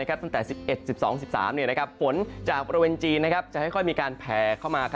ตั้งแต่๑๑๑๒๑๓ฝนจากบริเวณจีนจะค่อยมีการแผลเข้ามา